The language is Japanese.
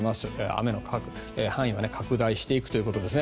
雨の範囲が拡大していくということです。